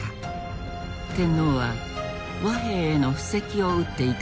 天皇は和平への布石を打っていたのである。